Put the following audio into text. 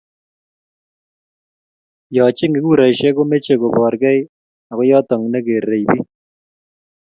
yo chengee kuraishek komeche koborgei ago yoto negerei biik